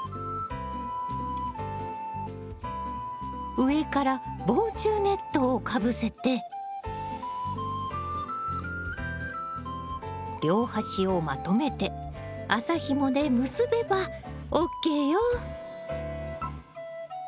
上から防虫ネットをかぶせて両端をまとめて麻ひもで結べばＯＫよ！